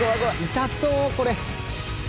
痛そうこれ。